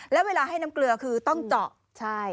แล้วเวลาให้น้ำเกลือคือต้องเจาะใช่